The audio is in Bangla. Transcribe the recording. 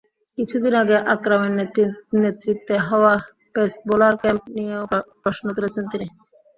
কিছুদিন আগে আকরামের নেতৃত্বে হওয়া পেস বোলার ক্যাম্প নিয়েও প্রশ্ন তুলেছেন তিনি।